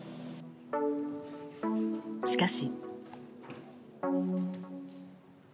しかし。